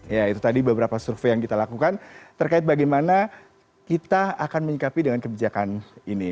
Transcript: ya itu tadi beberapa survei yang kita lakukan terkait bagaimana kita akan menyikapi dengan kebijakan ini